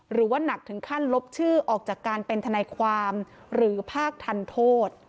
หรือว่านักถึงขั้นลบชื่อออกจากการเป็นทนายความหรือภาคทันโทษ